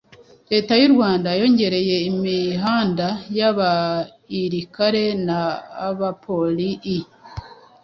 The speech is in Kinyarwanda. Reta yurwanda yongereye imihahara ya abairikare na abapolii